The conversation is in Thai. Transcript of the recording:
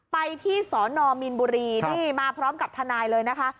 ไปที่สนมีนบุรีนี่มาพร้อมกับทนายเลยนะคะ